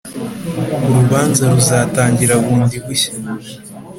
urubanza ruzatangira bundi bushya